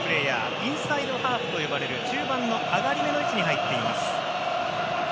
インサイドハーフという中盤の上がりめの位置に入っています。